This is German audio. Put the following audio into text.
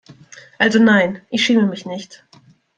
Also nein, ich schäme mich nicht.